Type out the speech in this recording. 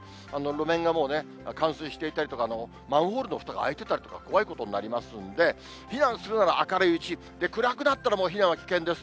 路面がもうね、冠水していたりとか、マンホールのふたがあいてたりとか、怖いことになりますんで、避難するなら明るいうち、暗くなったらもう避難は危険です。